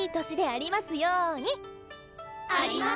ありますように！